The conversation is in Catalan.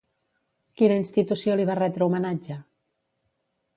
Quina institució li va retre homenatge?